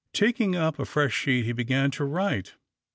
Taking up a fresh sheet he began to write.